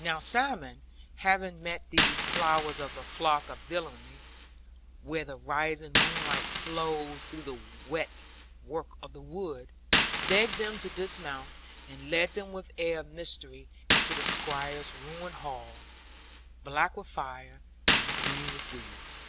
Now Simon, having met these flowers of the flock of villainy, where the rising moonlight flowed through the weir work of the wood, begged them to dismount; and led them with an air of mystery into the Squire's ruined hall, black with fire, and green with weeds.